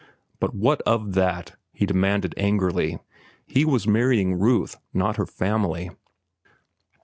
But what of that? he demanded angrily. He was marrying Ruth, not her family.